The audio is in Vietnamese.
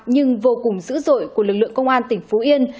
nhưng vô cùng dữ dội của lực lượng công an tỉnh phú yên